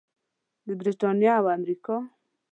د بریتانیا او امریکا.